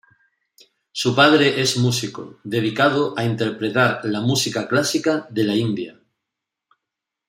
Su padre es músico dedicado a interpretar la música clásica de la India.